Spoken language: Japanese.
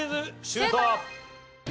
シュート！